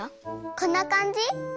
こんなかんじ？